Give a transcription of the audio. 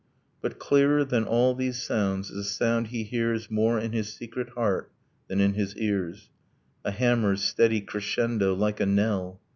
But clearer than all these sounds is a sound he hears More in his secret heart than in his ears, A hammer's steady crescendo, like a knell.